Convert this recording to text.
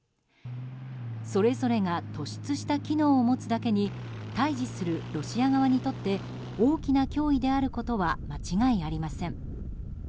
それぞれが突出した機能を持つだけに対峙するロシア側にとって大きな脅威であることは間違いありません。